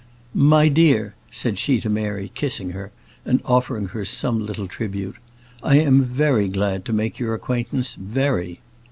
"My dear," said she to Mary, kissing her, and offering her some little tribute, "I am very glad to make your acquaintance; very.